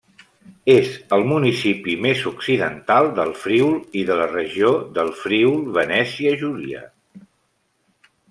És el municipi més occidental del Friül i de la regió del Friül-Venècia Júlia.